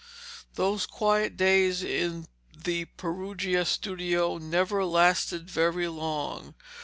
Those quiet days in the Perugia studio never lasted very long.